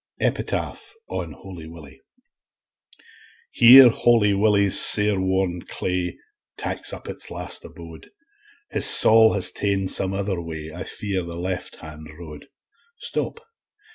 Epitaph On Holy Willie Here Holy Willie's sair worn clay Taks up its last abode; His saul has ta'en some other way, I fear, the left hand road. Stop!